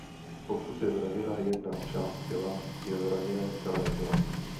Pokud je zraněna jedna část těla, je zraněno celé tělo.